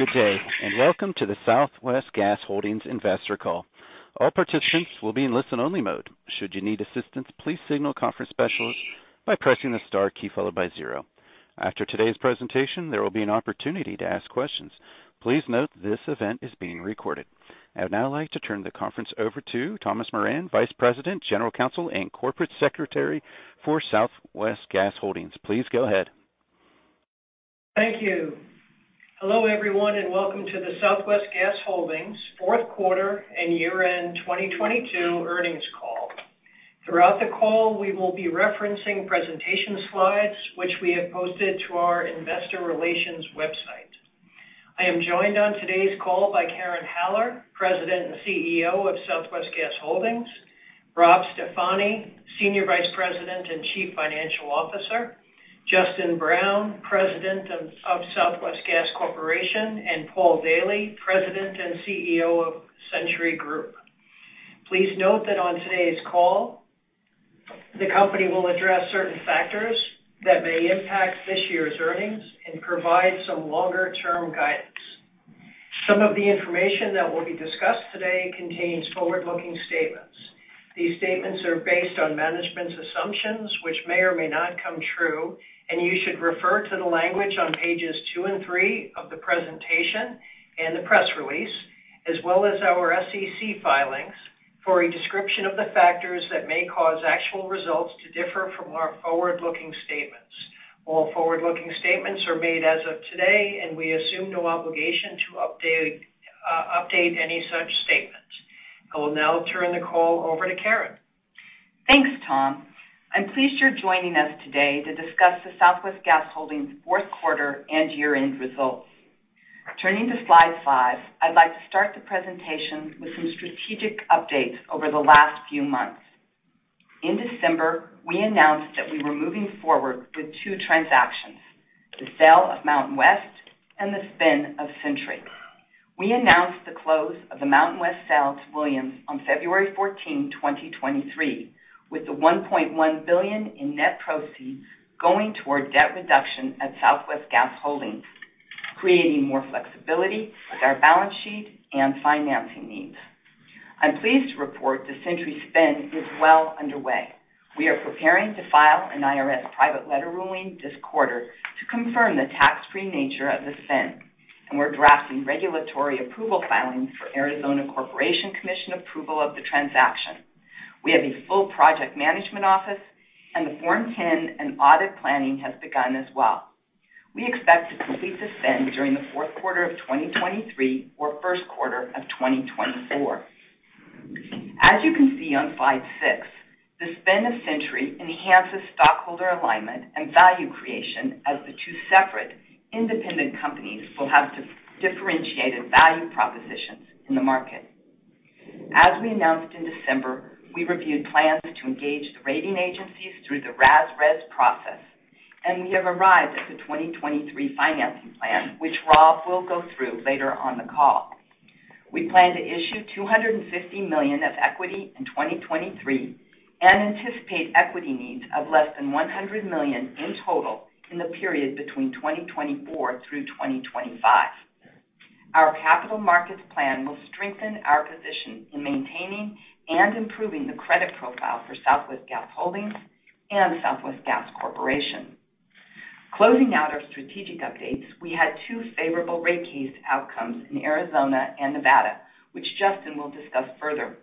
Good day, and welcome to the Southwest Gas Holdings Investor Call. All participants will be in listen only mode. Should you need assistance, please signal conference specialist by pressing the star key followed by zero. After today's presentation, there will be an opportunity to ask questions. Please note this event is being recorded. I would now like to turn the conference over to Thomas Moran, Vice President, General Counsel, and Corporate Secretary for Southwest Gas Holdings. Please go ahead. Thank you. Hello, everyone, and welcome to the Southwest Gas Holdings fourth quarter and year-end 2022 earnings call. Throughout the call, we will be referencing presentation slides which we have posted to our investor relations website. I am joined on today's call by Karen Haller, President and CEO of Southwest Gas Holdings, Rob Stefani, Senior Vice President and Chief Financial Officer, Justin Brown, President of Southwest Gas Corporation, and Paul Daily, President and CEO of Centuri Group. Please note that on today's call, the company will address certain factors that may impact this year's earnings and provide some longer-term guidance. Some of the information that will be discussed today contains forward-looking statements. These statements are based on management's assumptions, which may or may not come true. You should refer to the language on pages two and three of the presentation and the press release, as well as our SEC filings for a description of the factors that may cause actual results to differ from our forward-looking statements. All forward-looking statements are made as of today. We assume no obligation to update any such statements. I will now turn the call over to Karen. Thanks, Tom. I'm pleased you're joining us today to discuss the Southwest Gas Holdings' fourth quarter and year-end results. Turning to slide five, I'd like to start the presentation with some strategic updates over the last few months. In December, we announced that we were moving forward with two transactions, the sale of MountainWest and the spin of Centuri. We announced the close of the MountainWest sale to Williams on February 14, 2023, with the $1.1 billion in net proceeds going toward debt reduction at Southwest Gas Holdings, creating more flexibility with our balance sheet and financing needs. I'm pleased to report the Centuri spin is well underway. We are preparing to file an IRS private letter ruling this quarter to confirm the tax-free nature of the spin, and we're drafting regulatory approval filings for Arizona Corporation Commission approval of the transaction. We have a full project management office. The Form 10 and audit planning has begun as well. We expect to complete the spin during the fourth quarter of 2023 or first quarter of 2024. As you can see on slide six, the spin of Centuri enhances stockholder alignment and value creation as the two separate independent companies will have differentiated value propositions in the market. As we announced in December, we reviewed plans to engage the rating agencies through the RAS/RES process. We have arrived at the 2023 financing plan, which Rob will go through later on the call. We plan to issue $250 million of equity in 2023 and anticipate equity needs of less than $100 million in total in the period between 2024 through 2025. Our capital markets plan will strengthen our position in maintaining and improving the credit profile for Southwest Gas Holdings and Southwest Gas Corporation. Closing out our strategic updates, we had two favorable rate case outcomes in Arizona and Nevada, which Justin will discuss further.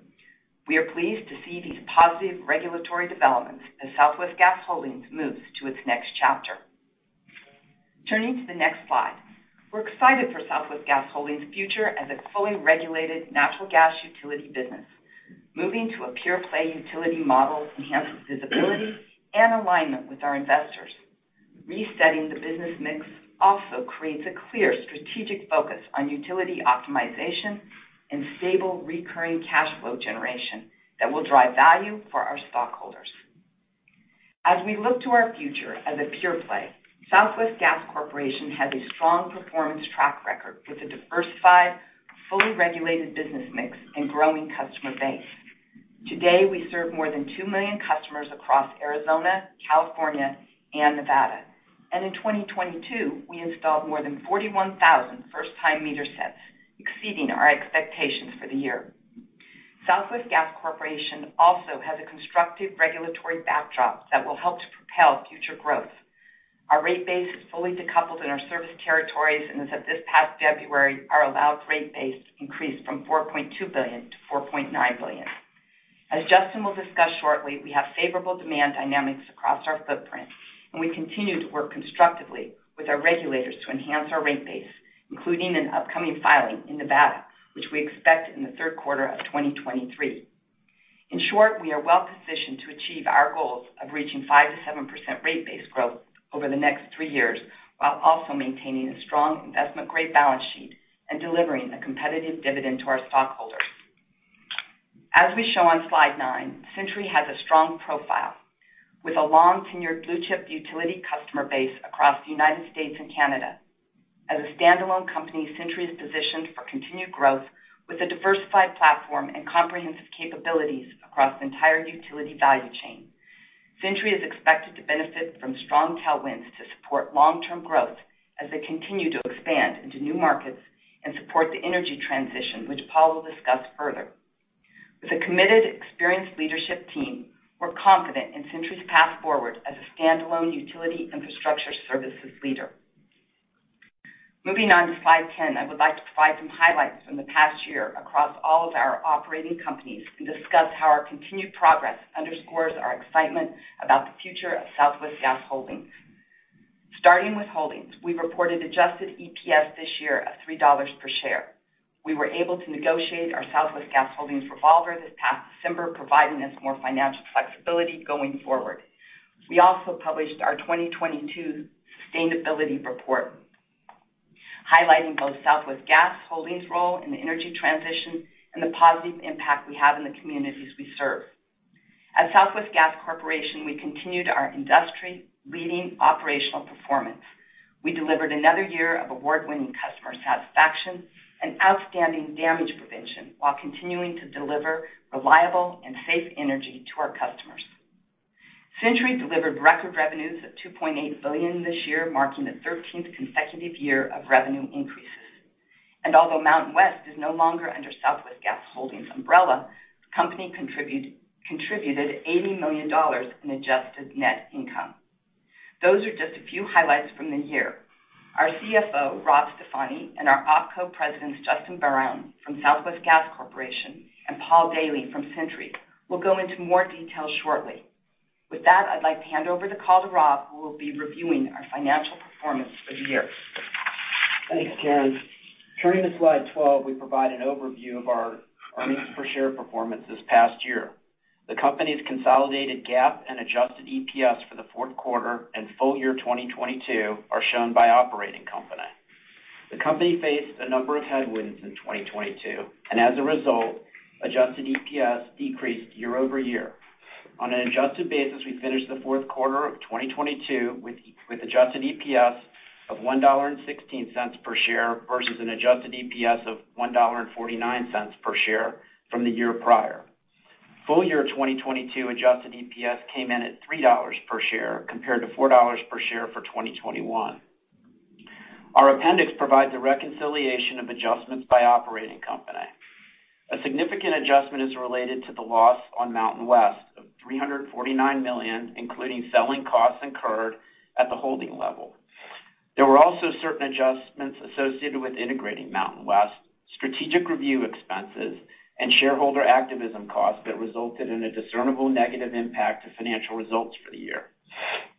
We are pleased to see these positive regulatory developments as Southwest Gas Holdings moves to its next chapter. Turning to the next slide. We're excited for Southwest Gas Holdings' future as a fully regulated natural gas utility business. Moving to a pure-play utility model enhances visibility and alignment with our investors. Resetting the business mix also creates a clear strategic focus on utility optimization and stable recurring cash flow generation that will drive value for our stockholders. As we look to our future as a pure play, Southwest Gas Corporation has a strong performance track record with a diversified, fully regulated business mix and growing customer base. Today, we serve more than two million customers across Arizona, California, and Nevada. In 2022, we installed more than 41,000 first-time meter sets, exceeding our expectations for the year. Southwest Gas Corporation also has a constructive regulatory backdrop that will help to propel future growth. Our rate base is fully decoupled in our service territories, as of this past February, our allowed rate base increased from $4.2 billion to $4.9 billion. As Justin will discuss shortly, we have favorable demand dynamics across our footprint, and we continue to work constructively with our regulators to enhance our rate base, including an upcoming filing in Nevada, which we expect in the third quarter of 2023. In short, we are well positioned to achieve our goals of reaching 5%-7% rate base growth over the next three years while also maintaining a strong investment grade balance sheet and delivering a competitive dividend to our stockholders. As we show on slide nine, Centuri has a strong profile with a long tenured blue-chip utility customer base across the United States and Canada. As a standalone company, Centuri is positioned for continued growth with a diversified platform and comprehensive capabilities across the entire utility value chain. Centuri is expected to benefit from strong tailwinds to support long-term growth as they continue to expand into new markets and support the energy transition, which Paul will discuss further. With a committed, experienced leadership team, we're confident in Centuri's path forward as a standalone utility infrastructure services leader. Moving on to slide 10, I would like to provide some highlights from the past year across all of our operating companies and discuss how our continued progress underscores our excitement about the future of Southwest Gas Holdings. Starting with Holdings, we reported adjusted EPS this year of $3 per share. We were able to negotiate our Southwest Gas Holdings revolver this past December, providing us more financial flexibility going forward. We also published our 2022 sustainability report, highlighting both Southwest Gas Holdings' role in the energy transition and the positive impact we have in the communities we serve. At Southwest Gas Corporation, we continued our industry-leading operational performance. We delivered another year of award-winning customer satisfaction and outstanding damage prevention while continuing to deliver reliable and safe energy to our customers. Centuri delivered record revenues of $2.8 billion this year, marking the 13th consecutive year of revenue increases. Although MountainWest is no longer under Southwest Gas Holdings' umbrella, the company contributed $80 million in adjusted net income. Those are just a few highlights from the year. Our CFO, Rob Stefani, and our OpCo presidents, Justin Brown from Southwest Gas Corporation and Paul Daily from Centuri, will go into more detail shortly. With that, I'd like to hand over the call to Rob, who will be reviewing our financial performance for the year. Thanks, Karen. Turning to slide 12, we provide an overview of our earnings per share performance this past year. The company's consolidated GAAP and adjusted EPS for the fourth quarter and full year 2022 are shown by operating company. The company faced a number of headwinds in 2022. As a result, adjusted EPS decreased year-over-year. On an adjusted basis, we finished the fourth quarter of 2022 with adjusted EPS of $1.16 per share versus an adjusted EPS of $1.49 per share from the year prior. Full year 2022 adjusted EPS came in at $3 per share compared to $4 per share for 2021. Our appendix provides a reconciliation of adjustments by operating company. A significant adjustment is related to the loss on MountainWest of $349 million, including selling costs incurred at the holding level. There were also certain adjustments associated with integrating MountainWest, strategic review expenses, and shareholder activism costs that resulted in a discernible negative impact to financial results for the year.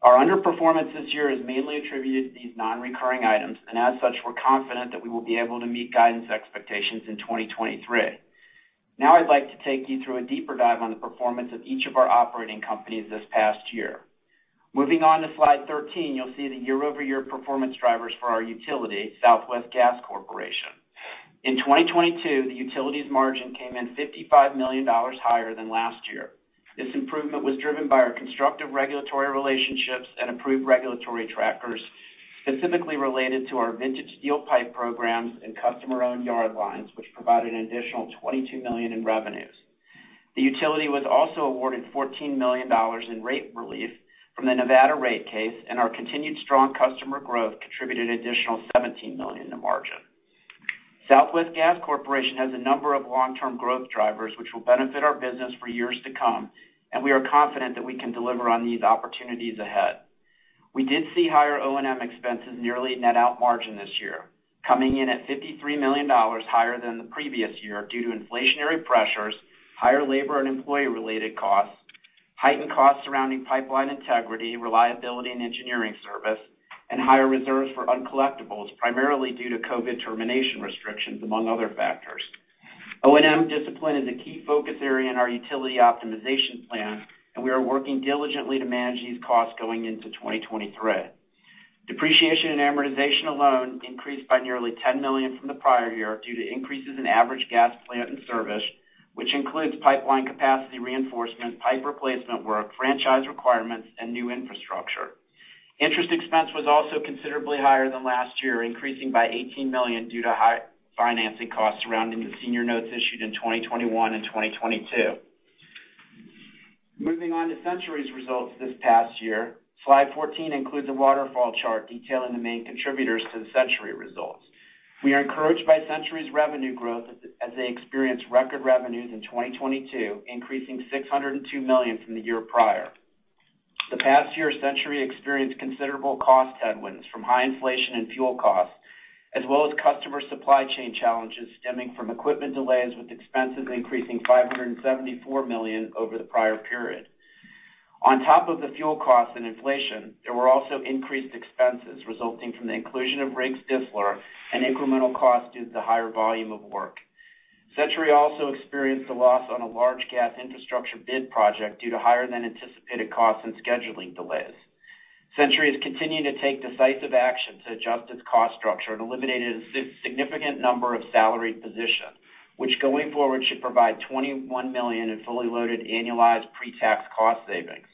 Our underperformance this year is mainly attributed to these non-recurring items, and as such, we're confident that we will be able to meet guidance expectations in 2023. Now I'd like to take you through a deeper dive on the performance of each of our operating companies this past year. Moving on to slide 13, you'll see the year-over-year performance drivers for our utility, Southwest Gas Corporation. In 2022, the utility's margin came in $55 million higher than last year. This improvement was driven by our constructive regulatory relationships and improved regulatory trackers, specifically related to our vintage steel pipe programs and customer-owned yard lines, which provided an additional $22 million in revenues. The utility was also awarded $14 million in rate relief from the Nevada rate case, and our continued strong customer growth contributed an additional $17 million in the margin. Southwest Gas Corporation has a number of long-term growth drivers which will benefit our business for years to come, and we are confident that we can deliver on these opportunities ahead. We did see higher O&M expenses nearly net out margin this year, coming in at $53 million higher than the previous year due to inflationary pressures, higher labor and employee-related costs, heightened costs surrounding pipeline integrity, reliability and engineering service, and higher reserves for uncollectibles, primarily due to COVID termination restrictions, among other factors. O&M discipline is a key focus area in our utility optimization plan, and we are working diligently to manage these costs going into 2023. Depreciation and amortization alone increased by nearly $10 million from the prior year due to increases in average gas plant and service, which includes pipeline capacity reinforcement, pipe replacement work, franchise requirements, and new infrastructure. Interest expense was also considerably higher than last year, increasing by $18 million due to high financing costs surrounding the senior notes issued in 2021 and 2022. Moving on to Centuri's results this past year, slide 14 includes a waterfall chart detailing the main contributors to the Centuri results. We are encouraged by Centuri's revenue growth as they experienced record revenues in 2022, increasing $602 million from the year prior. The past year, Centuri experienced considerable cost headwinds from high inflation and fuel costs, as well as customer supply chain challenges stemming from equipment delays, with expenses increasing $574 million over the prior period. On top of the fuel costs and inflation, there were also increased expenses resulting from the inclusion of Riggs Distler and incremental costs due to the higher volume of work. Centuri also experienced a loss on a large gas infrastructure bid project due to higher-than-anticipated costs and scheduling delays. Centuri has continued to take decisive action to adjust its cost structure and eliminated a significant number of salaried positions, which going forward should provide $21 million in fully loaded annualized pre-tax cost savings.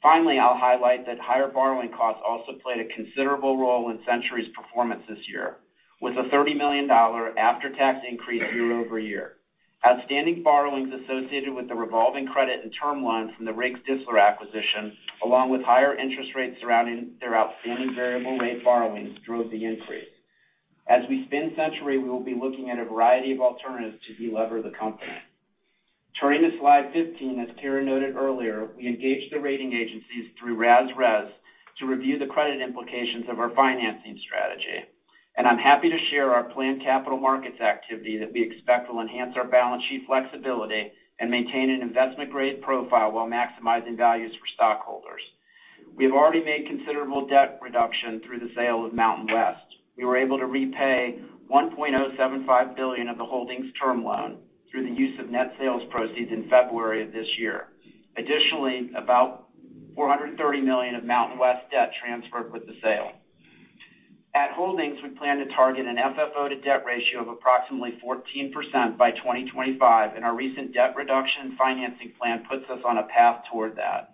Finally, I'll highlight that higher borrowing costs also played a considerable role in Centuri's performance this year, with a $30 million after-tax increase year-over-year. Outstanding borrowings associated with the revolving credit and term loans from the Riggs Distler acquisition, along with higher interest rates surrounding their outstanding variable rate borrowings, drove the increase. As we spin Centuri, we will be looking at a variety of alternatives to delever the company. Turning to slide 15, as Karen noted earlier, we engaged the rating agencies through RAS/RES to review the credit implications of our financing strategy. I'm happy to share our planned capital markets activity that we expect will enhance our balance sheet flexibility and maintain an investment-grade profile while maximizing values for stockholders. We have already made considerable debt reduction through the sale of MountainWest. We were able to repay $1.075 billion of the Holdings term loan through the use of net sales proceeds in February of this year. Additionally, about $430 million of MountainWest debt transferred with the sale. At Holdings, we plan to target an FFO to debt ratio of approximately 14% by 2025, and our recent debt reduction financing plan puts us on a path toward that.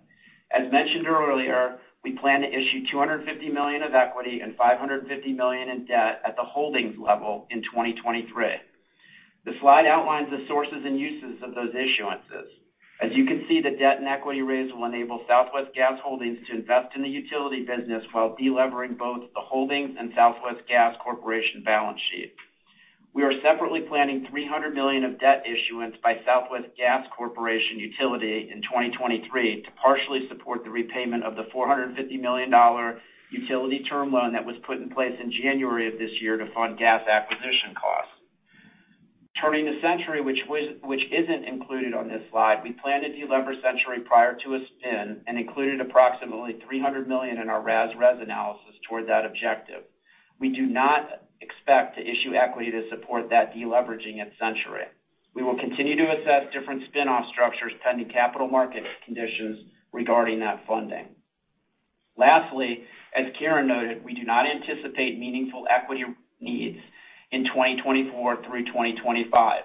As mentioned earlier, we plan to issue $250 million of equity and $550 million in debt at the Holdings level in 2023. The slide outlines the sources and uses of those issuances. As you can see, the debt and equity raise will enable Southwest Gas Holdings to invest in the utility business while delevering both the Holdings and Southwest Gas Corporation balance sheet. We are separately planning $300 million of debt issuance by Southwest Gas Corporation in 2023 to partially support the repayment of the $450 million utility term loan that was put in place in January of this year to fund gas acquisition costs. Turning to Centuri, which isn't included on this slide, we plan to delever Centuri prior to a spin and included approximately $300 million in our RAS/RES analysis toward that objective. We do not expect to issue equity to support that deleveraging at Centuri. We will continue to assess different spin-off structures pending capital market conditions regarding that funding. Lastly, as Karen noted, we do not anticipate meaningful equity needs in 2024 through 2025.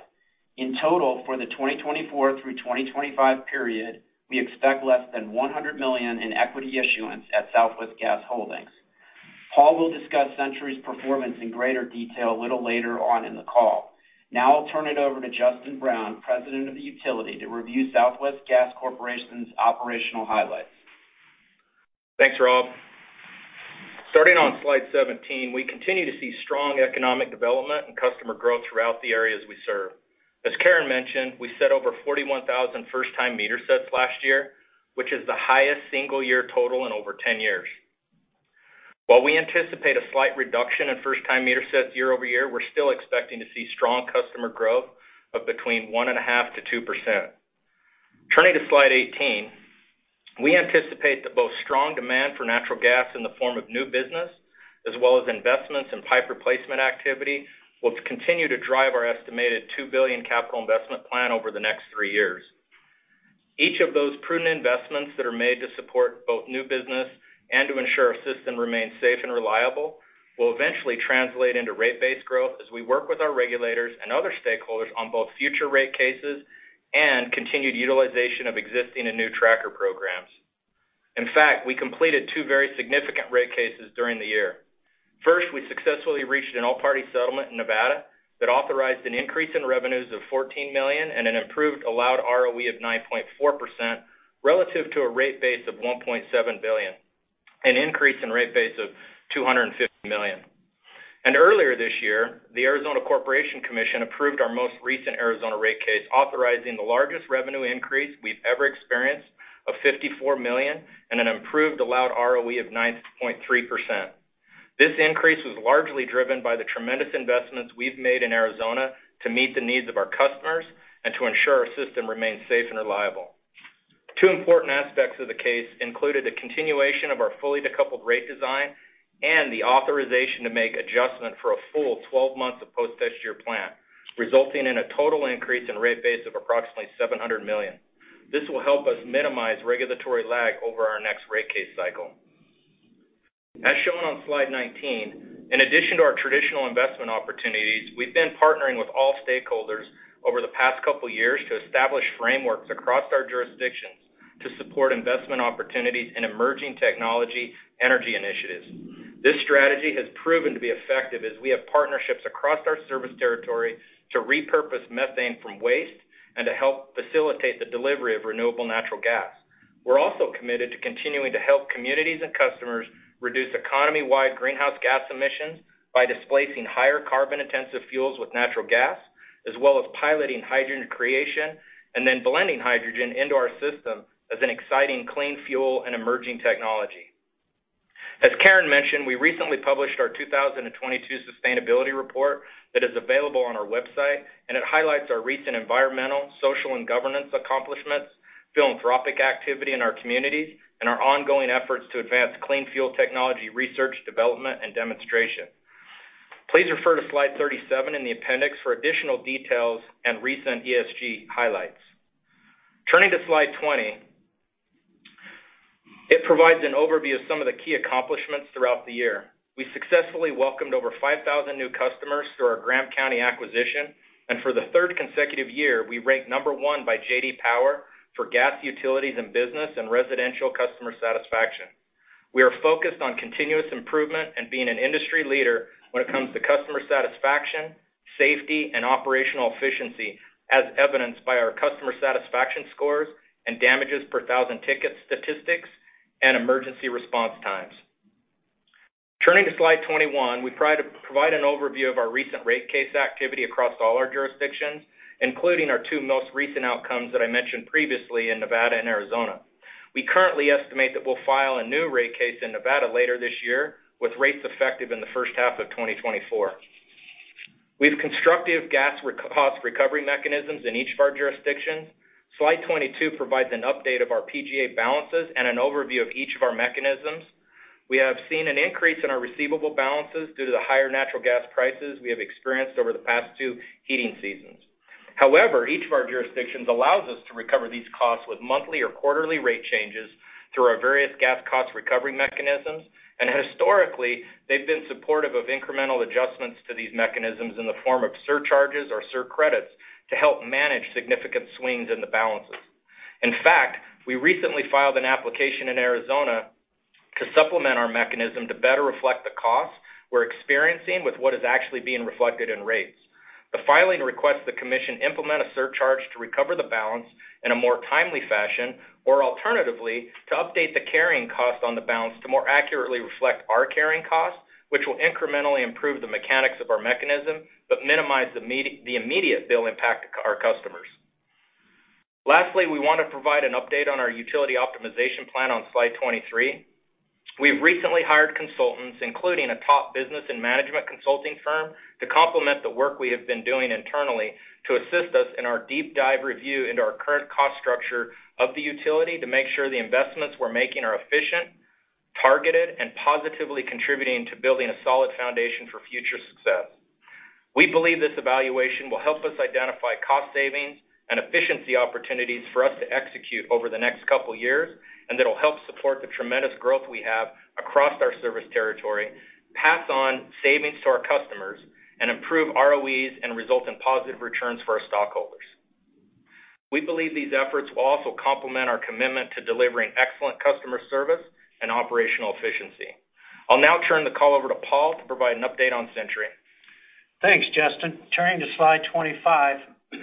In total, for the 2024 through 2025 period, we expect less than $100 million in equity issuance at Southwest Gas Holdings. Paul will discuss Centuri's performance in greater detail a little later on in the call. Now I'll turn it over to Justin Brown, President of the Utility, to review Southwest Gas Corporation's operational highlights. Thanks, Rob. Starting on slide 17, we continue to see strong economic development and customer growth throughout the areas we serve. As Karen mentioned, we set over 41,000 first-time meter sets last year, which is the highest single year total in over 10 years. While we anticipate a slight reduction in first-time meter sets year-over-year, we're still expecting to see strong customer growth of between 1.5%-2%. Turning to slide 18, we anticipate that both strong demand for natural gas in the form of new business as well as investments in pipe replacement activity will continue to drive our estimated $2 billion capital investment plan over the next three years. Each of those prudent investments that are made to support both new business and to ensure our system remains safe and reliable will eventually translate into rate-based growth as we work with our regulators and other stakeholders on both future rate cases and continued utilization of existing and new tracker programs. In fact, we completed two very significant rate cases during the year. First, we successfully reached an all-party settlement in Nevada that authorized an increase in revenues of $14 million and an improved allowed ROE of 9.4% relative to a rate base of $1.7 billion, an increase in rate base of $250 million. Earlier this year, the Arizona Corporation Commission approved our most recent Arizona rate case, authorizing the largest revenue increase we've ever experienced of $54 million and an improved allowed ROE of 9.3%. This increase was largely driven by the tremendous investments we've made in Arizona to meet the needs of our customers and to ensure our system remains safe and reliable. Two important aspects of the case included the continuation of our fully decoupled rate design and the authorization to make adjustment for a full 12 months of post-test year plan, resulting in a total increase in rate base of approximately $700 million. This will help us minimize regulatory lag over our next rate case cycle. As shown on slide 19, in addition to our traditional investment opportunities, we've been partnering with all stakeholders over the past couple years to establish frameworks across our jurisdictions to support investment opportunities in emerging technology energy initiatives. This strategy has proven to be effective as we have partnerships across our service territory to repurpose methane from waste and to help facilitate the delivery of renewable natural gas. We're also committed to continuing to help communities and customers reduce economy-wide greenhouse gas emissions by displacing higher carbon-intensive fuels with natural gas, as well as piloting hydrogen creation and then blending hydrogen into our system as an exciting clean fuel and emerging technology. As Karen mentioned, we recently published our 2022 sustainability report that is available on our website. It highlights our recent environmental, social, and governance accomplishments, philanthropic activity in our communities, and our ongoing efforts to advance clean fuel technology research, development, and demonstration. Please refer to slide 37 in the appendix for additional details and recent ESG highlights. Turning to slide 20, it provides an overview of some of the key accomplishments throughout the year. We successfully welcomed over 5,000 new customers through our Graham County acquisition, and for the third consecutive year, we ranked number one by J.D. Power for gas, utilities, and business and residential customer satisfaction. We are focused on continuous improvement and being an industry leader when it comes to customer satisfaction, safety, and operational efficiency, as evidenced by our customer satisfaction scores and damages per thousand ticket statistics and emergency response times. Turning to slide 21, we try to provide an overview of our recent rate case activity across all our jurisdictions, including our two most recent outcomes that I mentioned previously in Nevada and Arizona. We currently estimate that we'll file a new rate case in Nevada later this year, with rates effective in the first half of 2024. We have constructive gas cost recovery mechanisms in each of our jurisdictions. Slide 22 provides an update of our PGA balances and an overview of each of our mechanisms. We have seen an increase in our receivable balances due to the higher natural gas prices we have experienced over the past two heating seasons. Each of our jurisdictions allows us to recover these costs with monthly or quarterly rate changes through our various gas cost recovery mechanisms. Historically, they've been supportive of incremental adjustments to these mechanisms in the form of surcharges or surcredits to help manage significant swings in the balances. In fact, we recently filed an application in Arizona to supplement our mechanism to better reflect the costs we're experiencing with what is actually being reflected in rates. The filing requests the commission implement a surcharge to recover the balance in a more timely fashion, or alternatively, to update the carrying cost on the balance to more accurately reflect our carrying costs, which will incrementally improve the mechanics of our mechanism, but minimize the immediate bill impact to our customers. We want to provide an update on our utility optimization plan on slide 23. We've recently hired consultants, including a top business and management consulting firm, to complement the work we have been doing internally to assist us in our deep dive review into our current cost structure of the utility to make sure the investments we're making are efficient, targeted, and positively contributing to building a solid foundation for future success. We believe this evaluation will help us identify cost savings and efficiency opportunities for us to execute over the next couple years. That'll help support the tremendous growth we have across our service territory, pass on savings to our customers, and improve ROEs and result in positive returns for our stockholders. We believe these efforts will also complement our commitment to delivering excellent customer service and operational efficiency. I'll now turn the call over to Paul to provide an update on Centuri. Thanks, Justin. Turning to slide 25,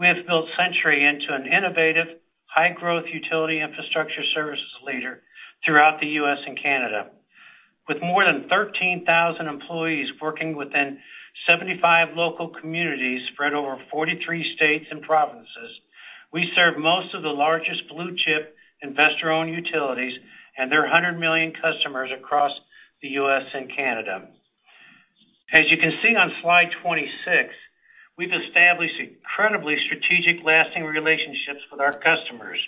we have built Centuri into an innovative, high-growth utility infrastructure services leader throughout the U.S. and Canada. With more than 13,000 employees working within 75 local communities spread over 43 states and provinces, we serve most of the largest blue-chip investor-owned utilities and their 100 million customers across the U.S. and Canada. As you can see on slide 26, we've established incredibly strategic lasting relationships with our customers.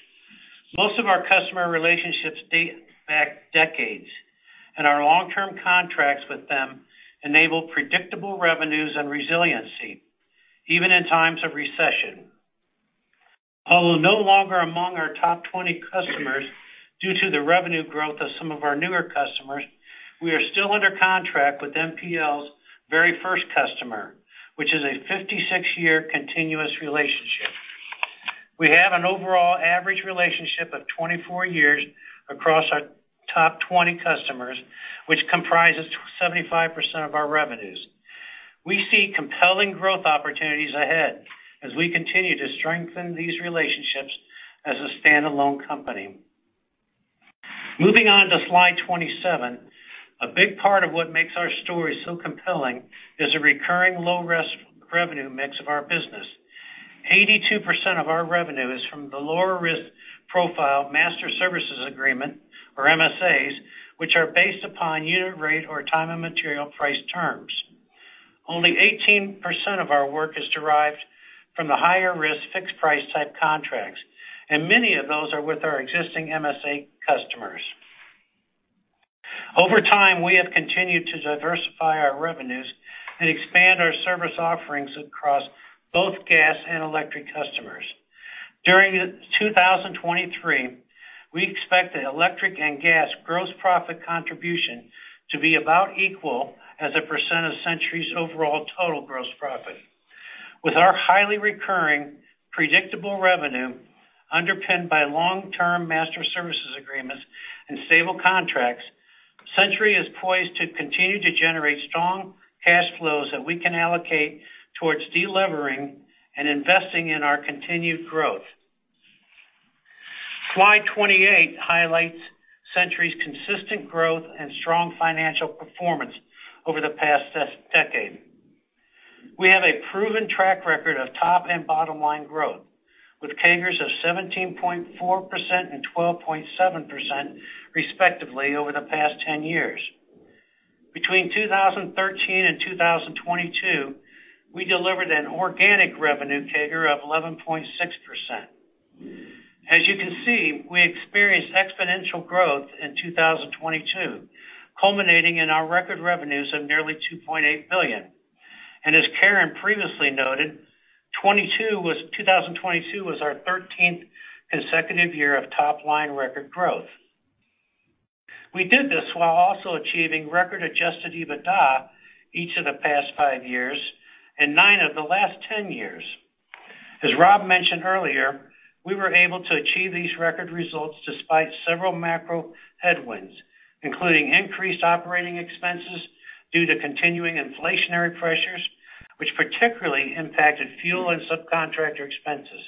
Most of our customer relationships date back decades. Our long-term contracts with them enable predictable revenues and resiliency, even in times of recession. Although no longer among our top 20 customers due to the revenue growth of some of our newer customers, we are still under contract with NPL's very first customer, which is a 56-year continuous relationship. We have an overall average relationship of 24 years across our top 20 customers, which comprises 75% of our revenues. We see compelling growth opportunities ahead as we continue to strengthen these relationships as a standalone company. Moving on to slide 27. A big part of what makes our story so compelling is a recurring low-risk revenue mix of our business. 82% of our revenue is from the lower risk profile Master Services Agreement, or MSAs, which are based upon unit rate or time and material price terms. Only 18% of our work is derived from the higher risk fixed-price type contracts, and many of those are with our existing MSA customers. Over time, we have continued to diversify our revenues and expand our service offerings across both gas and electric customers. During 2023, we expect the electric and gas gross profit contribution to be about equal as a percent of Centuri's overall total gross profit. With our highly recurring predictable revenue underpinned by long-term master services agreements and stable contracts, Centuri is poised to continue to generate strong cash flows that we can allocate towards delivering and investing in our continued growth. Slide 28 highlights Centuri's consistent growth and strong financial performance over the past decade. We have a proven track record of top and bottom line growth with CAGRs of 17.4% and 12.7%, respectively, over the past 10 years. Between 2013 and 2022, we delivered an organic revenue CAGR of 11.6%. As you can see, we experienced exponential growth in 2022, culminating in our record revenues of nearly $2.8 billion. As Karen previously noted, 2022 was our 13th consecutive year of top-line record growth. We did this while also achieving record Adjusted EBITDA each of the past five years and nine of the last 10 years. As Rob mentioned earlier, we were able to achieve these record results despite several macro headwinds, including increased operating expenses due to continuing inflationary pressures, which particularly impacted fuel and subcontractor expenses.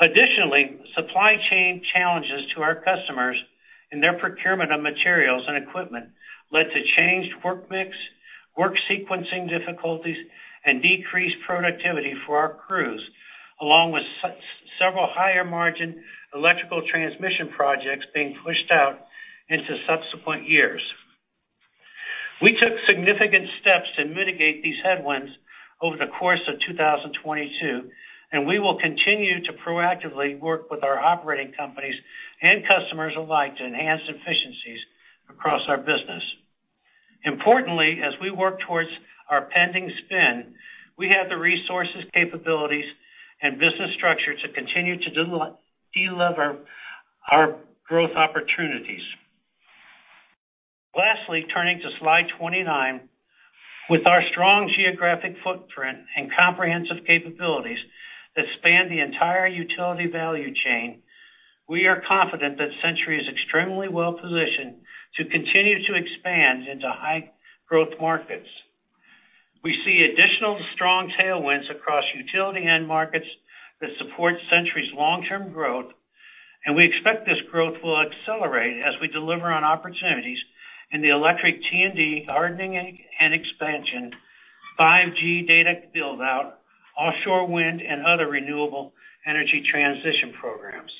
Additionally, supply chain challenges to our customers and their procurement of materials and equipment led to changed work mix, work sequencing difficulties, and decreased productivity for our crews, along with several higher-margin electrical transmission projects being pushed out into subsequent years. We took significant steps to mitigate these headwinds over the course of 2022, and we will continue to proactively work with our operating companies and customers alike to enhance efficiencies across our business. Importantly, as we work towards our pending spin, we have the resources, capabilities, and business structure to continue to delever our growth opportunities. Lastly, turning to slide 29. With our strong geographic footprint and comprehensive capabilities that span the entire utility value chain, we are confident that Centuri is extremely well-positioned to continue to expand into high-growth markets. We see additional strong tailwinds across utility end markets that support Centuri's long-term growth, and we expect this growth will accelerate as we deliver on opportunities in the electric T&D hardening and expansion, 5G data build-out, offshore wind, and other renewable energy transition programs.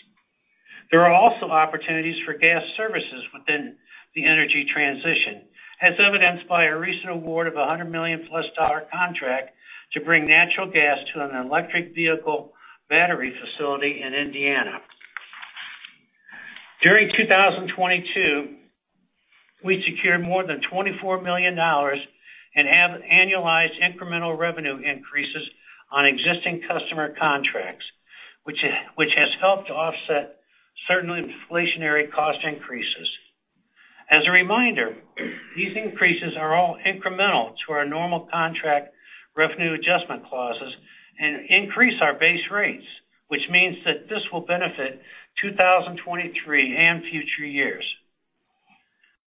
There are also opportunities for gas services within the energy transition, as evidenced by our recent award of a $100 million-plus contract to bring natural gas to an electric vehicle battery facility in Indiana. During 2022, we secured more than $24 million in annualized incremental revenue increases on existing customer contracts, which has helped to offset certain inflationary cost increases. As a reminder, these increases are all incremental to our normal contract revenue adjustment clauses and increase our base rates, which means that this will benefit 2023 and future years.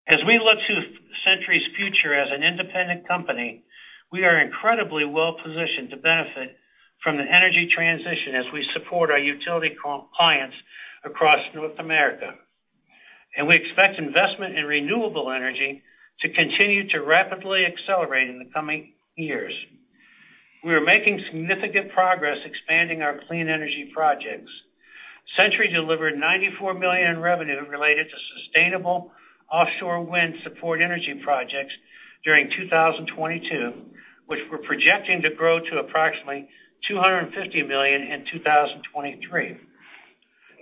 As we look to Centuri's future as an independent company, we are incredibly well-positioned to benefit from the energy transition as we support our utility co-clients across North America. We expect investment in renewable energy to continue to rapidly accelerate in the coming years. We are making significant progress expanding our clean energy projects. Centuri delivered $94 million in revenue related to sustainable offshore wind support energy projects during 2022, which we're projecting to grow to approximately $250 million in 2023.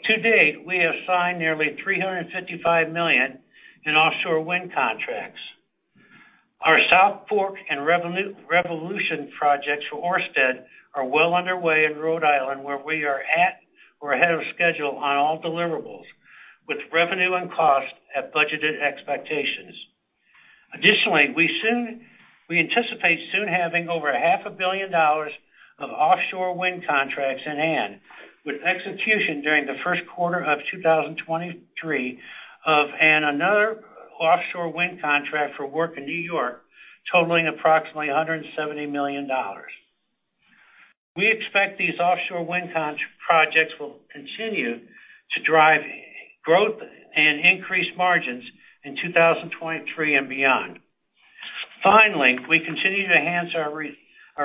To date, we have signed nearly $355 million in offshore wind contracts. Our South Fork and Revolution projects for Ørsted are well underway in Rhode Island, where we are at or ahead of schedule on all deliverables, with revenue and cost at budgeted expectations. Additionally, we anticipate soon having over half a billion dollars of offshore wind contracts in hand, with execution during the first quarter of 2023 of an another offshore wind contract for work in New York totaling approximately $170 million. We expect these offshore wind projects will continue to drive growth and increase margins in 2023 and beyond. We continue to enhance our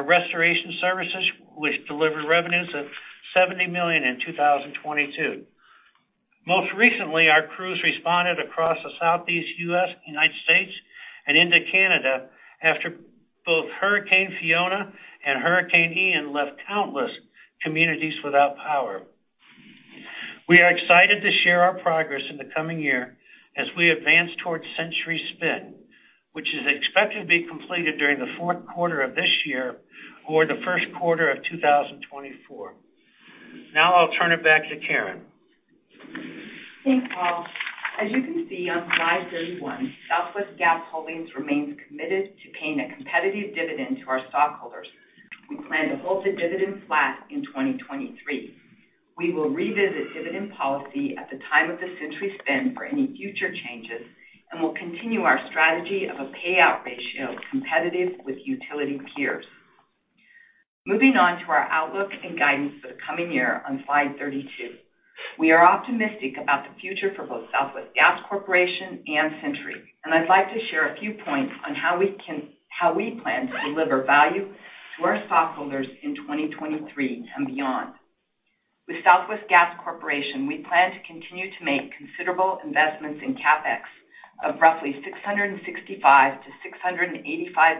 restoration services, which delivered revenues of $70 million in 2022. Most recently, our crews responded across the Southeast United States and into Canada after both Hurricane Fiona and Hurricane Ian left countless communities without power. We are excited to share our progress in the coming year as we advance towards Centuri's spin, which is expected to be completed during the fourth quarter of this year or the first quarter of 2024. I'll turn it back to Karen. Thanks, Paul. As you can see on slide 31, Southwest Gas Holdings remains committed to paying a competitive dividend to our stockholders. We plan to hold the dividend flat in 2023. We will revisit dividend policy at the time of the Centuri spin for any future changes. We'll continue our strategy of a payout ratio competitive with utility peers. Moving on to our outlook and guidance for the coming year on slide 32. We are optimistic about the future for both Southwest Gas Corporation and Centuri. I'd like to share a few points on how we plan to deliver value to our stockholders in 2023 and beyond. With Southwest Gas Corporation, we plan to continue to make considerable investments in CapEx of roughly $665 million-$685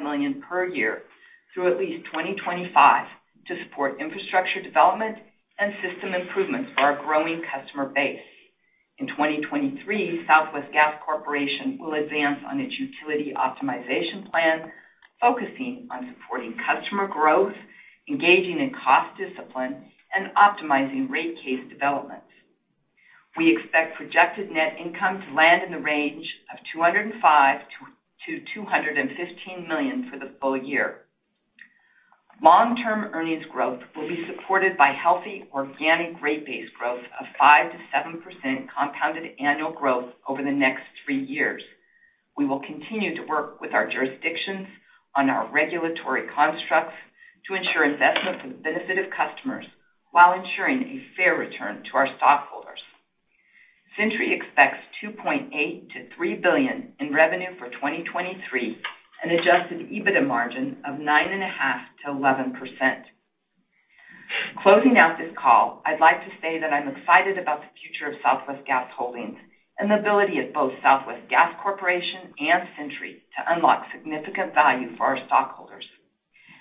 million per year through at least 2025 to support infrastructure development and system improvements for our growing customer base. In 2023, Southwest Gas Corporation will advance on its utility optimization plan, focusing on supporting customer growth, engaging in cost discipline, and optimizing rate case development. We expect projected net income to land in the range of $205 million-$215 million for the full year. Long-term earnings growth will be supported by healthy organic rate-based growth of 5%-7% compounded annual growth over the next three years. We will continue to work with our jurisdictions on our regulatory constructs to ensure investments for the benefit of customers while ensuring a fair return to our stockholders. Centuri expects $2.8 billion-$3 billion in revenue for 2023, an Adjusted EBITDA margin of 9.5%-11%. Closing out this call, I'd like to say that I'm excited about the future of Southwest Gas Holdings and the ability of both Southwest Gas Corporation and Centuri to unlock significant value for our stockholders.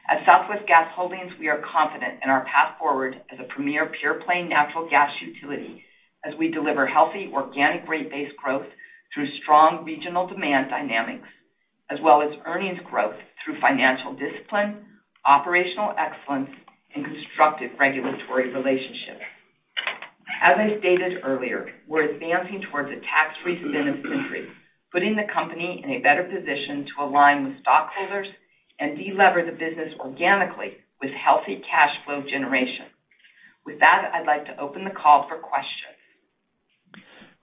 At Southwest Gas Holdings, we are confident in our path forward as a premier pure-play natural gas utility as we deliver healthy organic rate-based growth through strong regional demand dynamics, as well as earnings growth through financial discipline, operational excellence, and constructive regulatory relationships. As I stated earlier, we're advancing towards a tax-free spin of Centuri, putting the company in a better position to align with stockholders and de-lever the business organically with healthy cash flow generation. With that, I'd like to open the call for questions.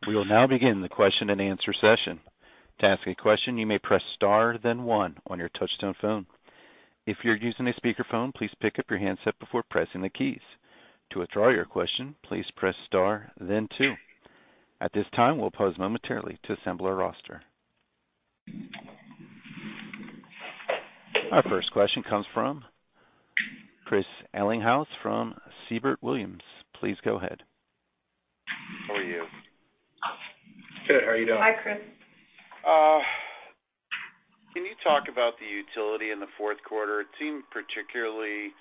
We will now begin the question-and-answer session. To ask a question, you may press star then one on your touchtone phone. If you're using a speakerphone, please pick up your handset before pressing the keys. To withdraw your question, please press star then two. At this time, we'll pause momentarily to assemble our roster. Our first question comes from Chris Ellinghaus from Siebert Williams. Please go ahead. How are you? Good. How are you doing? Hi, Chris. Can you talk about the utility in the fourth quarter? It seemed particularly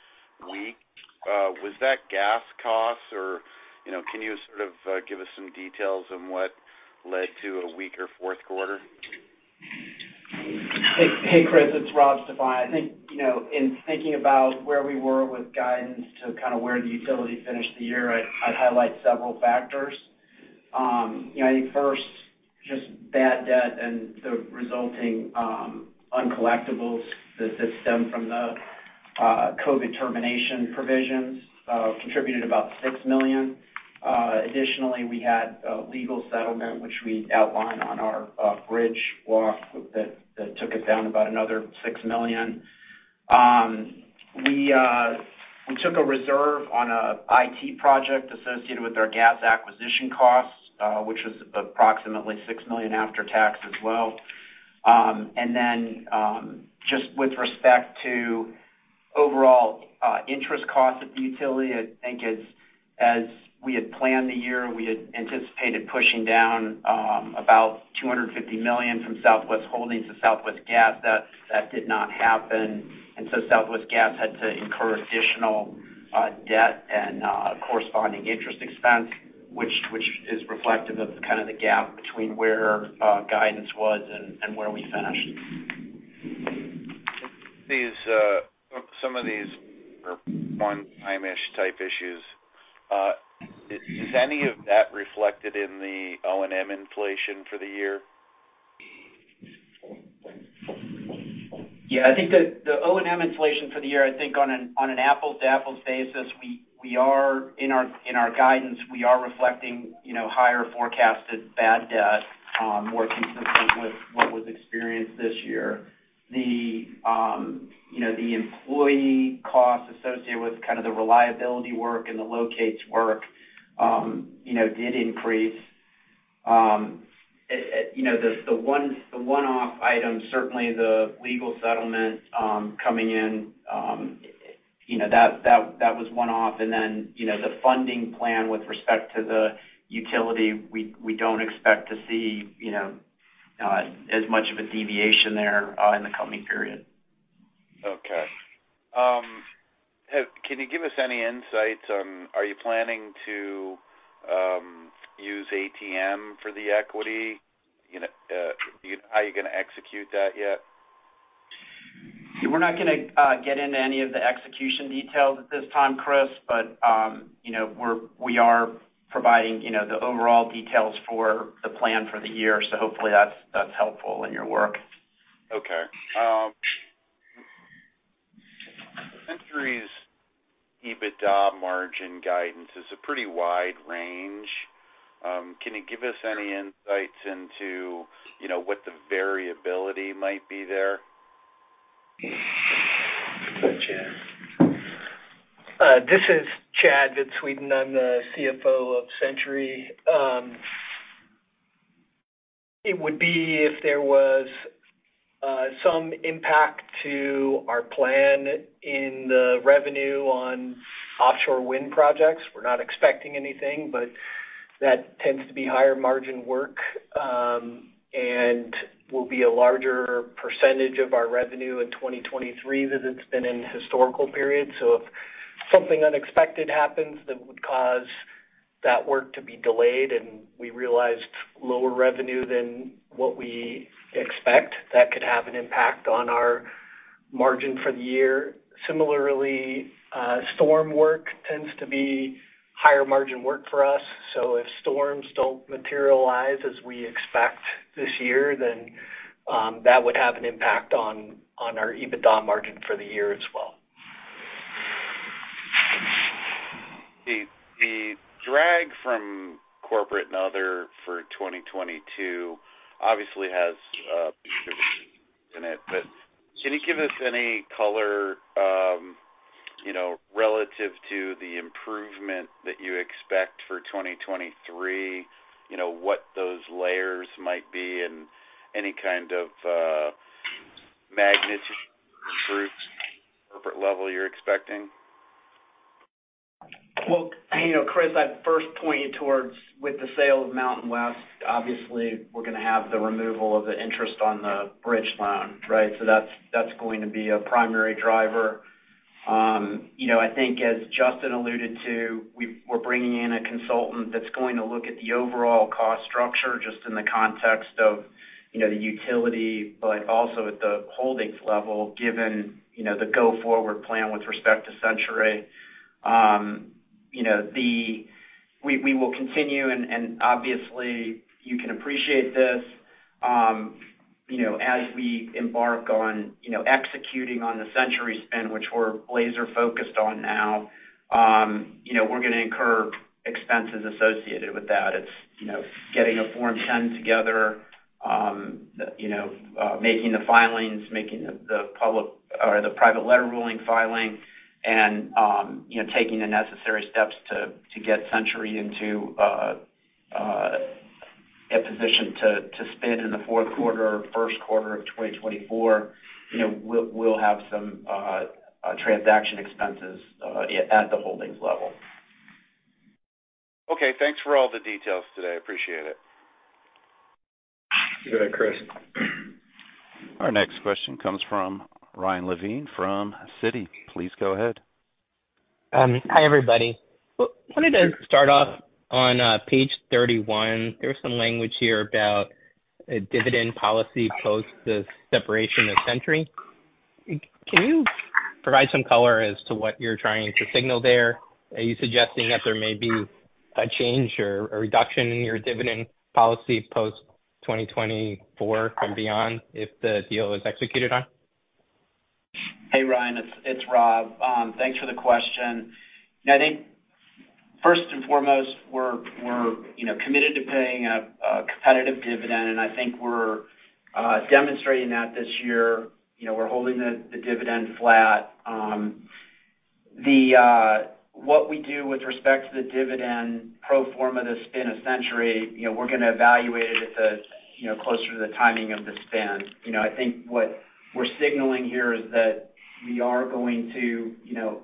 weak. Was that gas costs or, you know, can you sort of, give us some details on what led to a weaker fourth quarter? Hey, hey, Chris, it's Rob Stefani. I think, you know, in thinking about where we were with guidance to kind of where the utility finished the year, I'd highlight several factors. You know, I think first, just bad debt and the resulting uncollectibles that stem from the COVID termination provisions contributed about $6 million. Additionally, we had a legal settlement, which we outlined on our bridge walk that took it down about another $6 million. We took a reserve on a IT project associated with our gas acquisition costs, which was approximately $6 million after tax as well. Then, just with respect to overall interest costs of the utility, I think as we had planned the year, we had anticipated pushing down about $250 million from Southwest Holdings to Southwest Gas. That did not happen. Southwest Gas had to incur additional debt and corresponding interest expense, which is reflective of kind of the gap between where guidance was and where we finished. These, some of these one-time-ish type issues, is any of that reflected in the O&M inflation for the year? Yeah. I think the O&M inflation for the year, I think on an apples-to-apples basis, we are in our guidance, we are reflecting, you know, higher forecasted bad debt, more consistent with what was experienced this year. The, you know, the employee costs associated with kind of the reliability work and the locates work, you know, did increase. It, you know, the one-off item, certainly the legal settlement, coming in, you know, that was one-off. Then, you know, the funding plan with respect to the utility, we don't expect to see, you know, as much of a deviation there, in the coming period. Okay. Can you give us any insights on are you planning to use ATM for the equity? You know, how are you gonna execute that yet? We're not gonna get into any of the execution details at this time, Chris. You know, we are providing, you know, the overall details for the plan for the year. Hopefully that's helpful in your work. Centuri's EBITDA margin guidance is a pretty wide range. Can you give us any insights into, you know, what the variability might be there? Go ahead, Chad. This is Chad Van Sweden. I'm the CFO of Centuri. It would be if there was some impact to our plan in the revenue on offshore wind projects. We're not expecting anything. That tends to be higher margin work and will be a larger percentage of our revenue in 2023 than it's been in historical periods. If something unexpected happens that would cause that work to be delayed and we realized lower revenue than what we expect, that could have an impact on our Margin for the year. Similarly, storm work tends to be higher margin work for us. If storms don't materialize as we expect this year, then, that would have an impact on our EBITDA margin for the year as well. The drag from corporate and other for 2022 obviously has in it. Can you give us any color, you know, relative to the improvement that you expect for 2023, you know, what those layers might be and any kind of magnitude corporate level you're expecting? Well, you know, Chris, I'd first point you towards with the sale of MountainWest, obviously we're gonna have the removal of the interest on the bridge loan, right? That's going to be a primary driver. You know, I think as Justin alluded to, we're bringing in a consultant that's going to look at the overall cost structure just in the context of, you know, the utility, but also at the holdings level, given, you know, the go forward plan with respect to Centuri. You know, we will continue, and obviously you can appreciate this, you know, as we embark on, you know, executing on the Centuri spin, which we're laser focused on now, you know, we're gonna incur expenses associated with that. It's, you know, getting a Form 10 together, you know, making the filings, making the public or the private letter ruling filing and, you know, taking the necessary steps to get Centuri into a position to spin in the fourth quarter or first quarter of 2024, you know, we'll have some transaction expenses at the Holdings level. Okay. Thanks for all the details today. Appreciate it. You bet, Chris. Our next question comes from Ryan Levine from Citi. Please go ahead. Hi, everybody. Wanted to start off on page 31. There was some language here about a dividend policy post the separation of Centuri. Can you provide some color as to what you're trying to signal there? Are you suggesting that there may be a change or a reduction in your dividend policy post 2024 and beyond if the deal is executed on? Hey, Ryan, it's Rob. Thanks for the question. I think first and foremost, we're, you know, committed to paying a competitive dividend, and I think we're demonstrating that this year. You know, we're holding the dividend flat. The what we do with respect to the dividend pro forma, the spin of Centuri, you know, we're gonna evaluate it at the, you know, closer to the timing of the spin. You know, I think what we're signaling here is that we are going to, you know,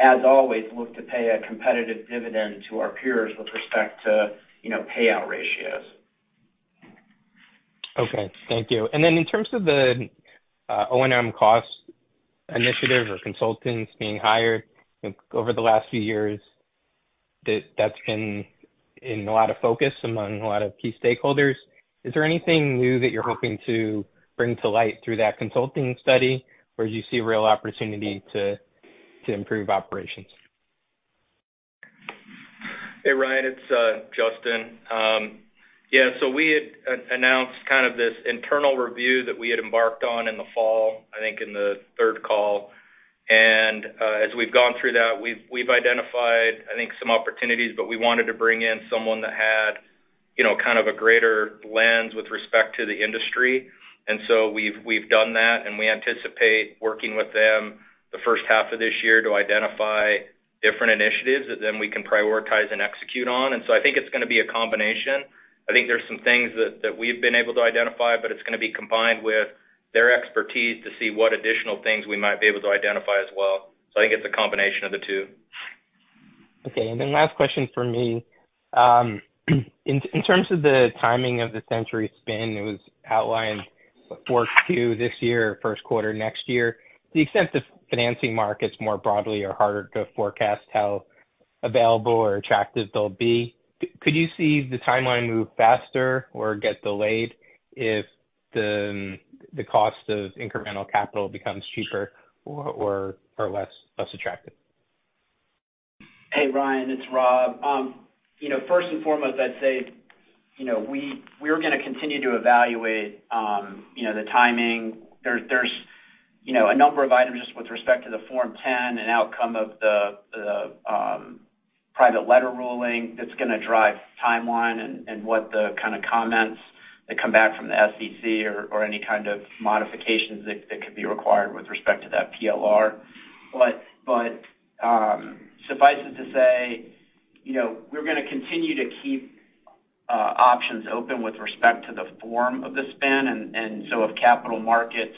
as always, look to pay a competitive dividend to our peers with respect to, you know, payout ratios. Okay, thank you. Then in terms of the O&M cost initiative or consultants being hired over the last few years, that's been in a lot of focus among a lot of key stakeholders. Is there anything new that you're hoping to bring to light through that consulting study, where you see a real opportunity to improve operations? Hey, Ryan, it's Justin. Yeah, so we had announced kind of this internal review that we had embarked on in the fall, I think in the third call. As we've gone through that, we've identified, I think, some opportunities, but we wanted to bring in someone that had, you know, kind of a greater lens with respect to the industry. We've done that, and we anticipate working with them the first half of this year to identify different initiatives that then we can prioritize and execute on. I think it's gonna be a combination. I think there's some things that we've been able to identify, but it's gonna be combined with their expertise to see what additional things we might be able to identify as well. I think it's a combination of the two. Okay. Last question for me. In terms of the timing of the Centuri spin, it was outlined 4Q this year, first quarter next year. To the extent the financing markets more broadly are harder to forecast how available or attractive they'll be, could you see the timeline move faster or get delayed if the cost of incremental capital becomes cheaper or less attractive? Hey, Ryan, it's Rob. First and foremost, I'd say, we're gonna continue to evaluate, the timing. There's a number of items just with respect to the Form 10 and outcome of the private letter ruling that's gonna drive timeline and what the comments that come back from the SEC or any kind of modifications that could be required with respect to that PLR. Suffice it to say, we're gonna continue to keep options open with respect to the form of the spin. If capital markets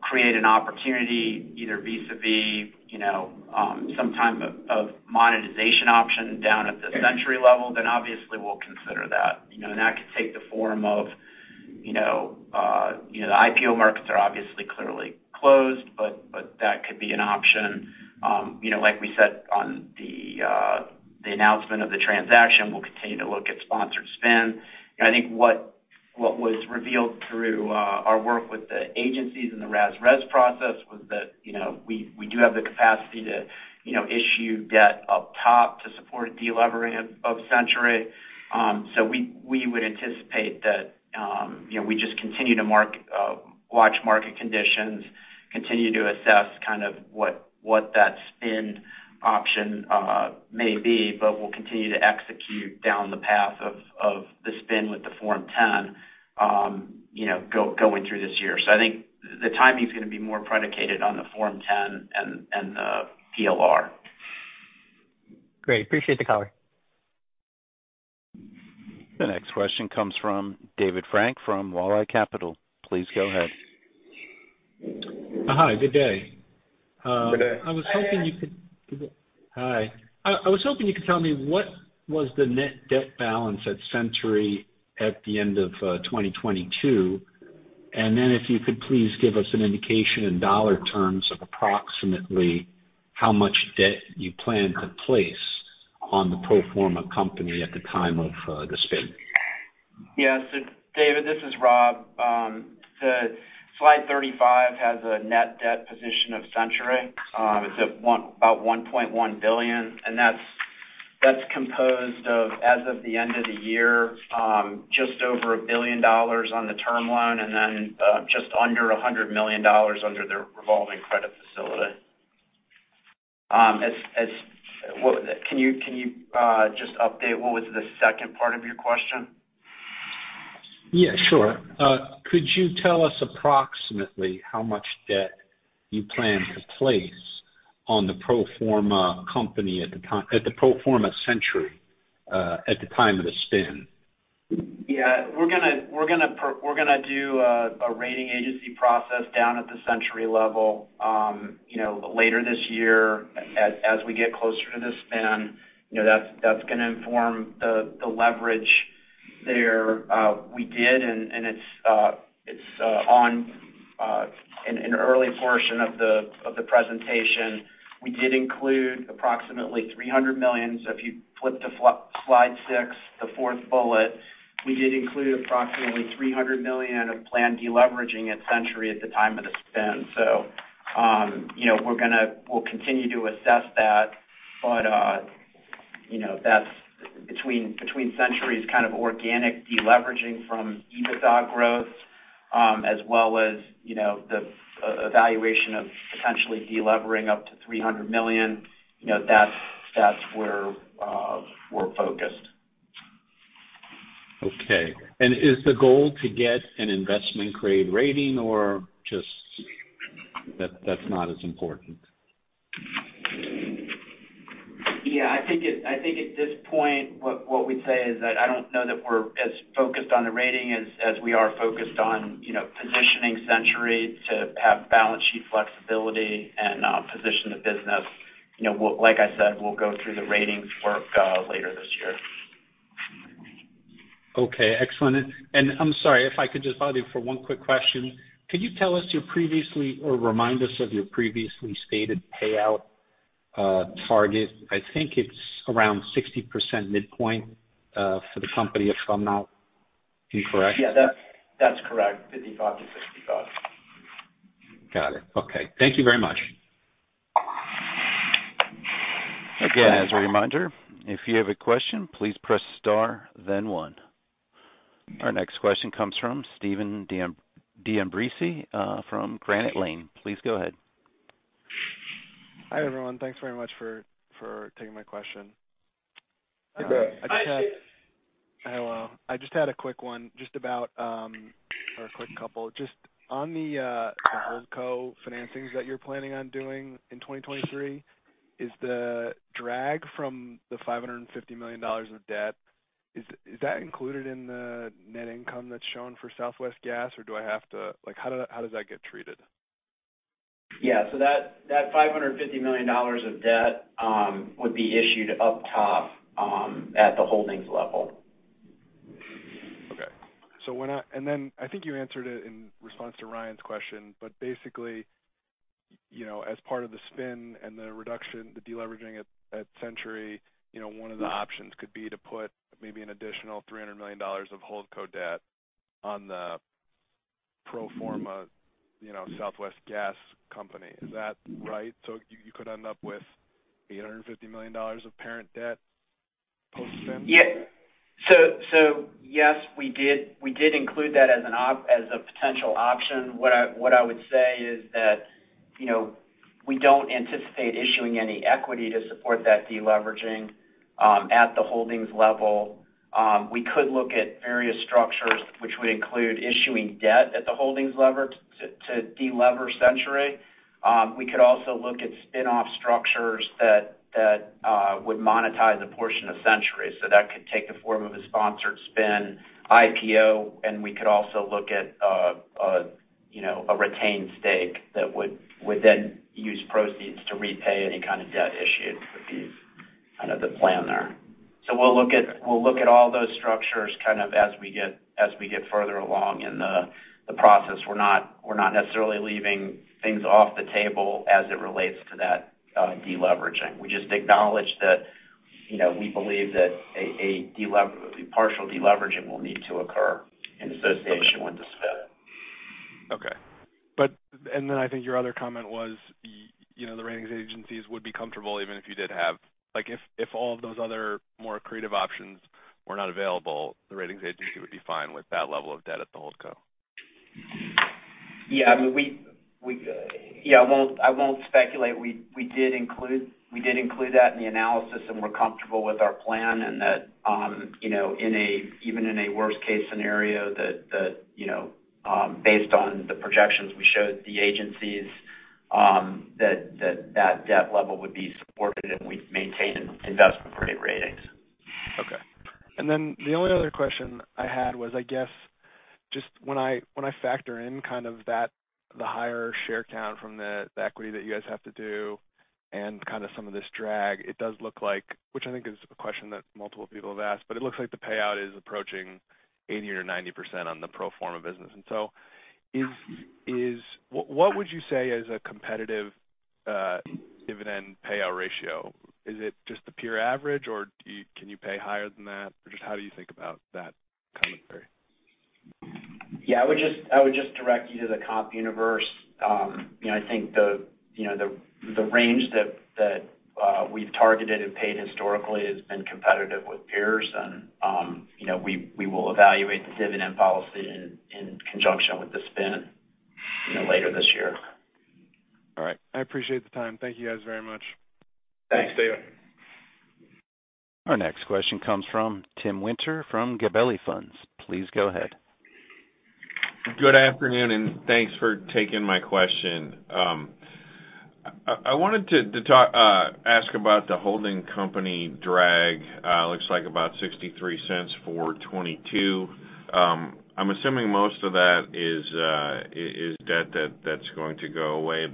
create an opportunity either vis-à-vis some type of monetization option down at the Centuri level, then obviously we'll consider that. You know, that could take the form of, you know, the IPO markets are obviously clearly closedBe an option. You know, like we said on the announcement of the transaction, we'll continue to look at sponsored spin. I think what was revealed through our work with the agencies and the RAS/RES process was that, you know, we do have the capacity to, you know, issue debt up top to support delevering of Centuri. We would anticipate that, you know, we just continue to watch market conditions, continue to assess kind of what that spin option may be. We'll continue to execute down the path of the spin with the Form 10, you know, going through this year. I think the timing is gonna be more predicated on the Form 10 and the PLR. Great. Appreciate the color. The next question comes from David Frank from Walleye Capital. Please go ahead. Hi. Good day. Good day. Hi. I was hoping you could tell me what was the net debt balance at Centuri at the end of 2022? If you could please give us an indication in dollar terms of approximately how much debt you plan to place on the pro forma company at the time of the spin? David, this is Rob. The slide 35 has a net debt position of Centuri. It's about $1.1 billion, and that's composed of, as of the end of the year, just over a billion dollars on the term loan and then, just under $100 million under the revolving credit facility. Well, can you just update what was the second part of your question? Yeah, sure. Could you tell us approximately how much debt you plan to place on the pro forma company at the pro forma Centuri at the time of the spin? Yeah. We're going to do a rating agency process down at the Centuri level, you know, later this year as we get closer to the spin. You know, that's going to inform the leverage there. We did, and it's in an early portion of the presentation. We did include approximately $300 million. If you flip to slide six, the fourth bullet, we did include approximately $300 million of planned deleveraging at Centuri at the time of the spin. You know, we'll continue to assess that. You know, that's between Centuri's kind of organic deleveraging from EBITDA growth, as well as, you know, the evaluation of potentially delevering up to $300 million. You know, that's where we're focused. Okay. Is the goal to get an investment grade rating or just that's not as important? Yeah, I think at this point, what we'd say is that I don't know that we're as focused on the rating as we are focused on, you know, positioning Centuri to have balance sheet flexibility and position the business. You know, we'll like I said, we'll go through the ratings work later this year. Okay. Excellent. I'm sorry if I could just bother you for one quick question. Could you tell us your previously or remind us of your previously stated payout target? I think it's around 60% midpoint for the company, if I'm not incorrect. Yeah, that's correct. 55%-65%. Got it. Okay. Thank you very much. Again, as a reminder, if you have a question, please press star then one. Our next question comes from Steven D'Ambrisi, from Granite Lane. Please go ahead. Hi, everyone. Thanks very much for taking my question. Great. Hello. I just had a quick one just about, or a quick couple. Just on the HoldCo financings that you're planning on doing in 2023, is the drag from the $550 million of debt, is that included in the net income that's shown for Southwest Gas? Like, how does that get treated? Yeah. That $550 million of debt, would be issued up top, at the Holdings level. Okay. Then I think you answered it in response to Ryan's question. Basically, you know, as part of the spin and the reduction, the deleveraging at Centuri, you know, one of the options could be to put maybe an additional $300 million of HoldCo debt on the pro forma, you know, Southwest Gas company. Is that right? You could end up with $850 million of parent debt post-spin? Yes, we did include that as a potential option. What I would say is that, you know, we don't anticipate issuing any equity to support that deleveraging at the holdings level. We could look at various structures which would include issuing debt at the holdings lever to delever Centuri. We could also look at spin-off structures that would monetize a portion of Centuri. That could take the form of a sponsored spin IPO, and we could also look at, you know, a retained stake that would then use proceeds to repay any kind of debt issued with these. Kind of the plan there. We'll look at all those structures kind of as we get further along in the process. We're not necessarily leaving things off the table as it relates to that de-leveraging. We just acknowledge that, you know, we believe that a partial de-leveraging will need to occur in association with the spin. Okay. I think your other comment was, you know, the ratings agencies would be comfortable even if you did have... Like if all of those other more creative options were not available, the ratings agency would be fine with that level of debt at the HoldCo. Yeah. I mean, I won't speculate. We did include that in the analysis, and we're comfortable with our plan and that, you know, even in a worst case scenario that, you know, based on the projections we showed the agencies, that debt level would be supported and we've maintained investment-grade ratings. Okay. The only other question I had was, I guess, just when I, when I factor in kind of that the higher share count from the equity that you guys have to do and kind of some of this drag, it does look like. Which I think is a question that multiple people have asked, but it looks like the payout is approaching 80% or 90% on the pro forma business. What would you say is a competitive dividend payout ratio? Is it just the pure average or can you pay higher than that? Just how do you think about that commentary? Yeah, I would just direct you to the comp universe. you know, I think the, you know, the range that we've targeted and paid historically has been competitive with peers and, you know, we will evaluate the dividend policy in conjunction with the spin, you know, later this year. All right. I appreciate the time. Thank you guys very much. Thanks, Steven. Our next question comes from Tim Winter from Gabelli Funds. Please go ahead. Good afternoon, and thanks for taking my question. I wanted to talk, ask about the holding company drag. Looks like about $0.63 for 2022. I'm assuming most of that is debt that's going to go away.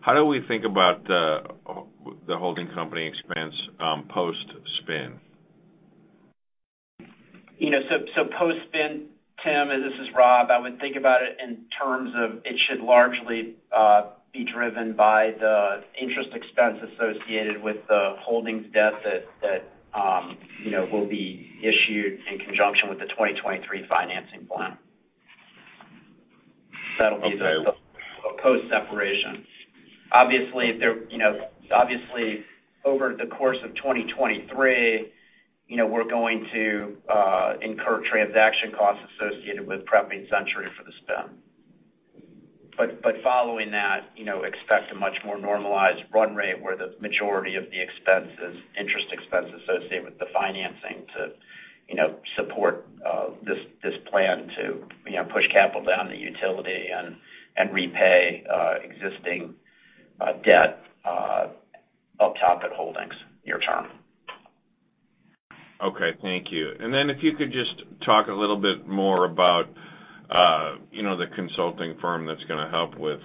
How do we think about the holding company expense post-spin? You know, post-spin, Tim, and this is Rob, I would think about it in terms of it should largely be driven by the interest expense associated with the holdings debt that, you know, will be issued in conjunction with the 2023 financing plan. Okay. That'll be the post-separation. Obviously, over the course of 2023, you know, we're going to incur transaction costs associated with prepping Centuri for the spin. Following that, you know, expect a much more normalized run rate where the majority of the expenses, interest expense associated with the financing to, you know, support this plan to, you know, push capital down the utility and repay existing debt up top at Holdings near term. Okay. Thank you. If you could just talk a little bit more about, you know, the consulting firm that's gonna help with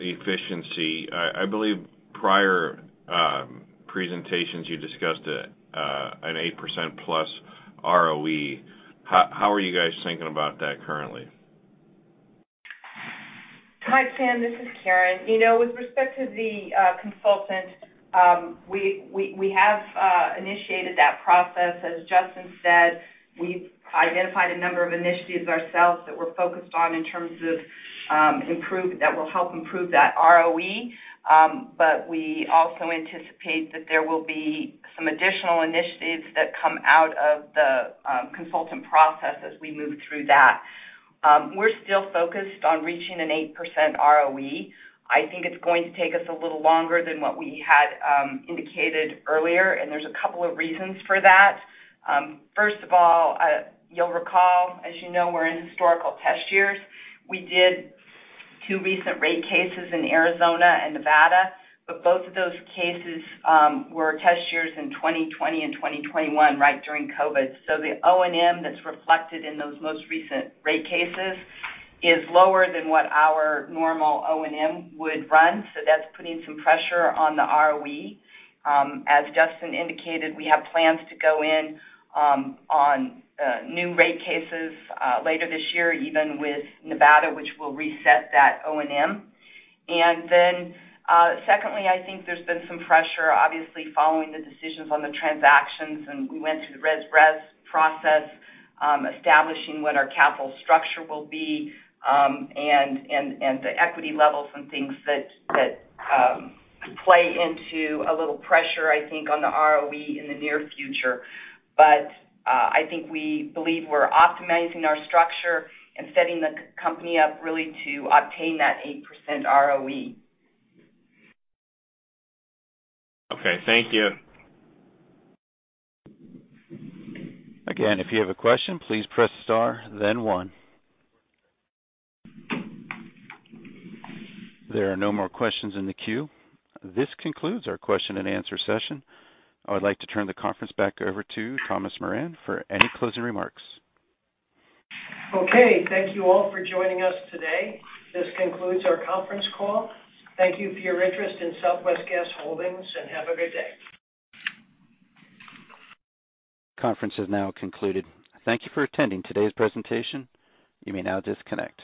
efficiency. I believe prior presentations you discussed an 8%+ ROE. How are you guys thinking about that currently? Hi, Tim. This is Karen. You know, with respect to the consultant, we have initiated that process. As Justin said, we've identified a number of initiatives ourselves that we're focused on in terms of that will help improve that ROE. We also anticipate that there will be some additional initiatives that come out of the consultant process as we move through that. We're still focused on reaching an 8% ROE. I think it's going to take us a little longer than what we had indicated earlier, and there's a couple of reasons for that. First of all, you'll recall, as you know, we're in historical test years. We did two recent rate cases in Arizona and Nevada, both of those cases were test years in 2020 and 2021, right during COVID. The O&M that's reflected in those most recent rate cases is lower than what our normal O&M would run, so that's putting some pressure on the ROE. As Justin indicated, we have plans to go in on new rate cases later this year, even with Nevada, which will reset that O&M. Secondly, I think there's been some pressure, obviously, following the decisions on the transactions, and we went through the RAS/RES process, establishing what our capital structure will be, and the equity levels and things that play into a little pressure, I think, on the ROE in the near future. I think we believe we're optimizing our structure and setting the company up really to obtain that 8% ROE. Okay. Thank you. If you have a question, please press star then one. There are no more questions in the queue. This concludes our question and answer session. I would like to turn the conference back over to Thomas Moran for any closing remarks. Okay. Thank you all for joining us today. This concludes our conference call. Thank you for your interest in Southwest Gas Holdings, and have a good day. Conference is now concluded. Thank you for attending today's presentation. You may now disconnect.